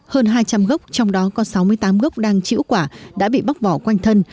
hơn hai trăm linh gốc trong đó có sáu mươi tám gốc đang chữ quả đã bị bóc bỏ quanh thân